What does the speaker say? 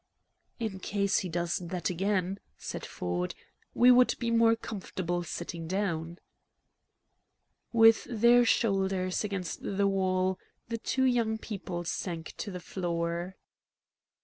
"In case he does that again," said Ford, "we would be more comfortable sitting down." With their shoulders against the wall, the two young people sank to the floor.